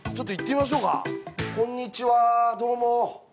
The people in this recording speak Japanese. こんにちはどうも。